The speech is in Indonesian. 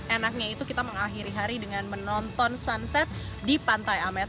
enaknya itu kita mengakhiri hari dengan menonton sunset di pantai amet